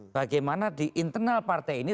bagaimana di internal partai ini